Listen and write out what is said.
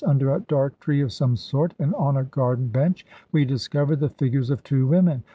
Under a dark tree of some sort, and on a garden bench, we discovered the figures of two women.